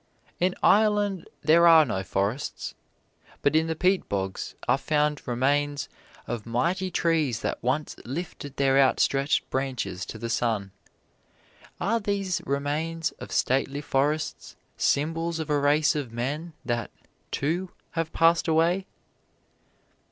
In Ireland there are no forests, but in the peat bogs are found remains of mighty trees that once lifted their outstretched branches to the sun. Are these remains of stately forests symbols of a race of men that, too, have passed away?